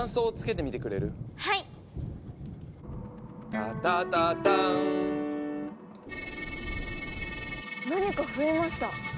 「タタタターン」何か増えました。